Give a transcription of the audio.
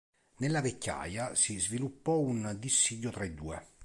Nella vecchiaia si sviluppò un dissidio tra i due.